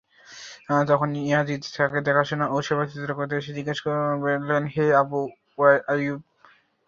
তখন ইয়াযিদ তাকে দেখাশুনা ও সেবা-শুশ্রুষা করতে এসে জিজ্ঞেস করলেন—হে আবু আইয়ুব!